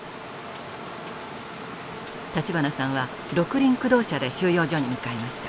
立花さんは六輪駆動車で収容所に向かいました。